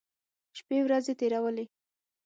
شپې ورځې تېرولې.